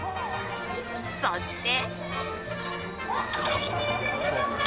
そして。